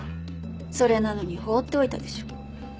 それなのに放っておいたでしょ。